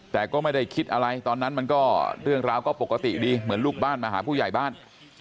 แต่ก็ไม่ได้คิดอะไรตอนนั้นมันก็เรื่องราวก็ปกติดีเหมือนลูกบ้านมาหาผู้ใหญ่บ้าน